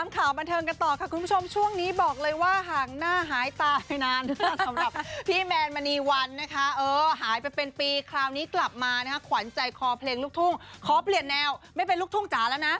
กลับมาติดตามข่าวบรรเทิงกันต่อ